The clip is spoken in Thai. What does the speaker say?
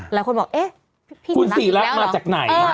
หลายคนบอกเอ๊ะคุณศรีรักมาจากไหน